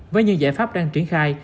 với những giải pháp đang triển khai